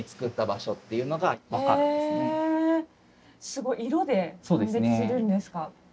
すごい色で判別するんですか。